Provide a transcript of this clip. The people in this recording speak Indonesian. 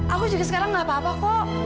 aku juga sekarang gak apa apa kok